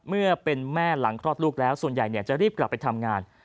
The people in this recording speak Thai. เมื่อเป็นแม่หลังคลอดลูกแล้วส่วนใหญ่จะรีบกลับไปทำงาน